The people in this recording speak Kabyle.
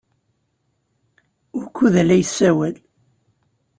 Wukud ay la yessawal?